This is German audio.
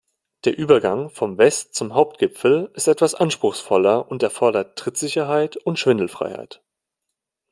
Der Übergang vom West- zum Hauptgipfel ist etwas anspruchsvoller und erfordert Trittsicherheit und Schwindelfreiheit.